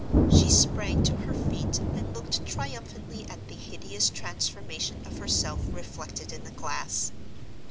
She sprang to her feet and looked triumphantly at the hideous transformation of herself reflected in the glass.